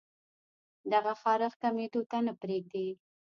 دغه خارښ کمېدو ته نۀ پرېږدي